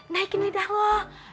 naikin lidah lo